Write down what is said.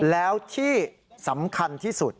แล้วที่สำคัญที่สุด